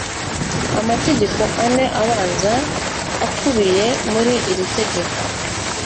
Amategeko ane abanza akubiye muri iri tegeko